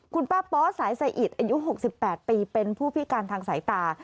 คุณป้าป๊อสายสะอิดอายุ๖๘ปีเป็นผู้พิการทางสายตา